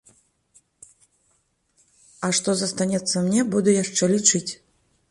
А што застанецца мне, буду яшчэ лічыць.